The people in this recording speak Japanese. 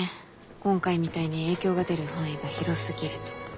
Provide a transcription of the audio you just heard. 今回みたいに影響が出る範囲が広すぎると。